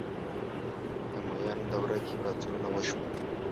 د امویانو دوره کې پاڅونونه وشول